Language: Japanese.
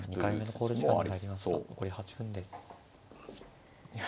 残り８分です。